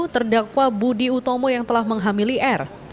terdakwa budi utomo yang telah menghamili r